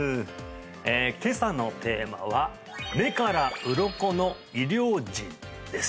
今朝のテーマは「目からウロコの医療人」です